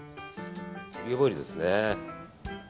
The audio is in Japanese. オリーブオイルですね。